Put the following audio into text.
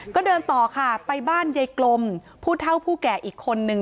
ก็เดินต่อค่ะไปบ้านยายกลมผู้เท่าผู้แก่อีกคนนึง